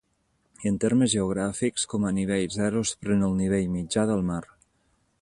En termes geogràfics, com a nivell zero es pren el nivell mitjà del mar.